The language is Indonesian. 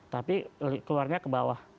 tapi keluarnya ke bawah